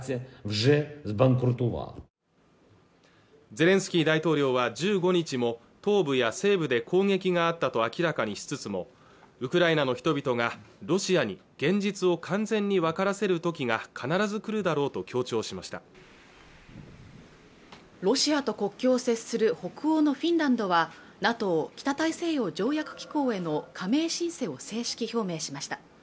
ゼレンスキー大統領は１５日も東部や西部で攻撃があったと明らかにしつつもウクライナの人々がロシアに現実を完全に分からせる時が必ず来るだろうと強調しましたロシアと国境を接する北欧のフィンランドはＮＡＴＯ＝北大西洋条約機構への加盟申請を正式表明しました